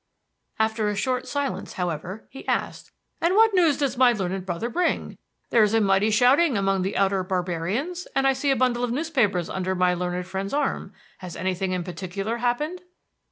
After a short silence, however, he asked: "And what news does my learned brother bring? There is a mighty shouting among the outer barbarians and I see a bundle of newspapers under my learned friend's arm. Has anything in particular happened?"